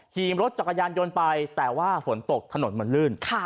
ขี่รถจักรยานยนต์ไปแต่ว่าฝนตกถนนมันลื่น